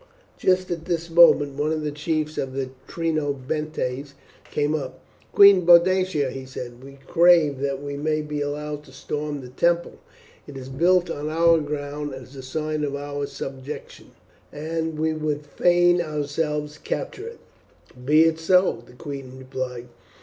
Just at this moment one of the chiefs of the Trinobantes came up. "Queen Boadicea," he said, "we crave that we may be allowed to storm the temple. It is built on our ground as a sign of our subjection, and we would fain ourselves capture it." "Be it so," the queen replied.